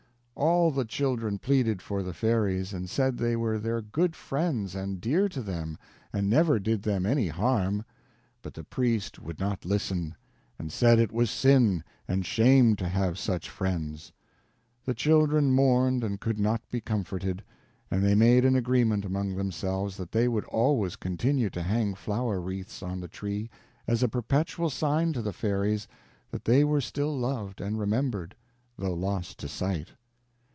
All the children pleaded for the fairies, and said they were their good friends and dear to them and never did them any harm, but the priest would not listen, and said it was sin and shame to have such friends. The children mourned and could not be comforted; and they made an agreement among themselves that they would always continue to hang flower wreaths on the tree as a perpetual sign to the fairies that they were still loved and remembered, though lost to sight.